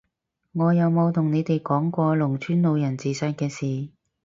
我有冇同你哋講過農村老人自殺嘅事？